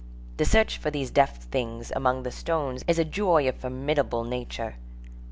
The search for these "deaf things" among the stones is a joy of formidable nature.